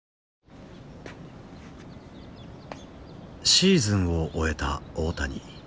シーズンを終えた大谷。